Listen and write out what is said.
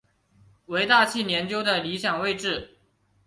为大气研究的理想位置。